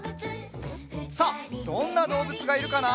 さあどんなどうぶつがいるかな？